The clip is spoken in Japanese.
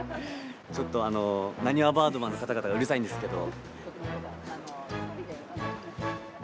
ちょっとあのなにわバードマンの方々がうるさいんですけど。